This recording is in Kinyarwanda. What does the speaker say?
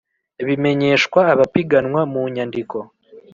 bimenyeshwa abapiganwa mu nyandiko